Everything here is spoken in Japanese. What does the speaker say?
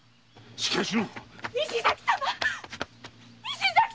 石崎様‼